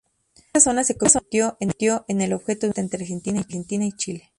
Esta zona se convirtió en el objeto de una disputa entre Argentina y Chile.